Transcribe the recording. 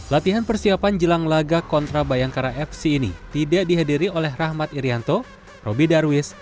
latihan persiapan jelang laga kontra bayangkara fc ini tidak dihadiri oleh rahmat irianto roby darwis